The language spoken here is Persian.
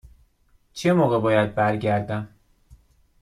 چه موقع باید برگردم؟